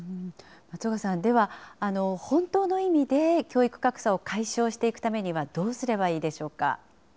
松岡さん、では、本当の意味で教育格差を解消していくためには、どうすればいいでしょうか。